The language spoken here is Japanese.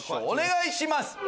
お願いします！